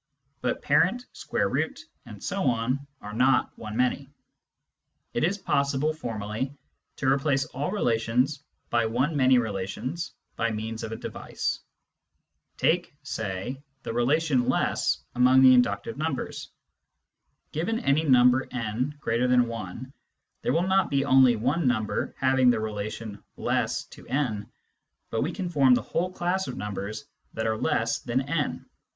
But parent, square root, and so on, are not one many. It is possible, formally, to replace all relations by one many relations by means of a device. Take (say) the relation less among the inductive numbers. Given any number n greater than 1, there will not be only one number having the relation less to n, but we can form the whole class of numbers that are less than «.